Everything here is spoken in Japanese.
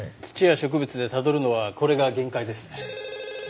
土や植物でたどるのはこれが限界ですね。